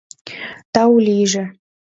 Тау лийже!